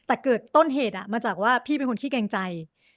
แต่เกิดต้นเหตุมาจากว่าพี่เป็นคนขี้เกรงใจ